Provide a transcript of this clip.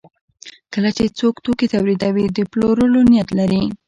کله چې څوک توکي تولیدوي د پلورلو نیت لري.